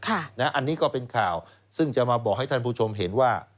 อันนี้ก็เป็นข่าวซึ่งจะมาบอกให้ท่านผู้ชมเห็นว่า